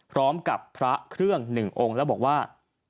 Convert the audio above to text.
พร้อมกับพระเครื่องหนึ่งองค์แล้วบอกว่า